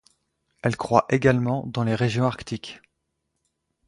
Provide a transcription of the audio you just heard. Elle croît également dans les régions arctiques.